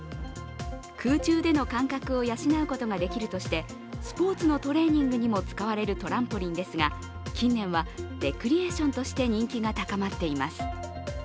空中での感覚を養うことができるとしてスポーツのトレーニングにも使われるトランポリンですが近年はレクリエーションとして人気が高まっています。